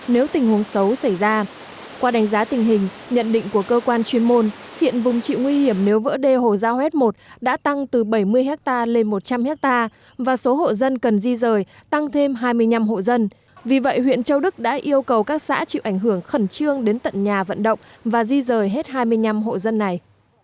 nếu tình huống xấu xảy ra qua đánh giá tình hình nhận định của cơ quan chuyên môn hiện vùng chịu nguy hiểm nếu vỡ đê hồ giao hết một đã tăng từ bảy mươi ha lên một trăm linh ha và số hộ dân cần di rời tăng thêm hai mươi năm hộ dân vì vậy huyện châu đức đã yêu cầu các xã chịu ảnh hưởng khẩn trương đến tận nhà vận động và di rời hết hai mươi năm hộ dân này